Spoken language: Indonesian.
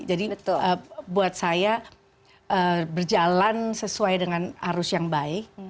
jadi buat saya berjalan sesuai dengan arus yang baik